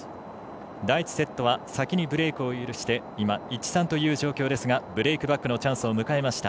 第１セットは先にブレークを許して今、１−３という状況ですがブレークバックのチャンスを迎えました。